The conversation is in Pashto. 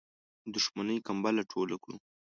دښمنی کمبله ټوله کړو.